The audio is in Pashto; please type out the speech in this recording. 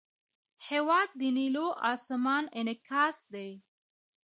هېواد د نیلو آسمان انعکاس دی.